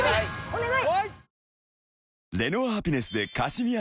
お願い！